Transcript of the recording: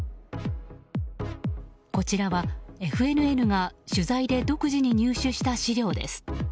こちらは、ＦＮＮが取材で独自に入手した資料です。